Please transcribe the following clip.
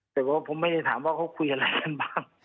แต่ว่าผมไม่ได้ถามว่าเขาคุยอะไรกันบ้าง